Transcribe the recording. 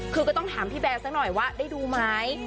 คือก็ต้องถามพี่แบร์สักหน่อยว่าได้ดูไหม